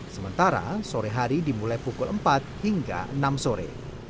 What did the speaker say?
sementara sore hari dimulai pukul empat hingga enam sore